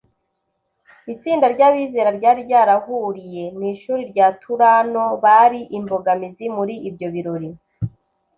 Itsinda ry’abizera ryari ryarahuriye mu ishuri rya Turano bari imbogamizi muri ibyo birori,